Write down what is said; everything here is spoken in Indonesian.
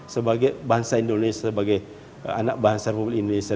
sebagai bahasa indonesia sebagai anak bahasa republik indonesia